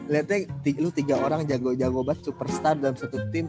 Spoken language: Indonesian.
lihatnya lu tiga orang jago jago banget superstar dalam satu tim